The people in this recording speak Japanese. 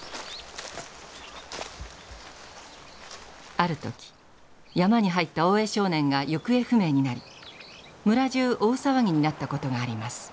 ある時山に入った大江少年が行方不明になり村中大騒ぎになったことがあります。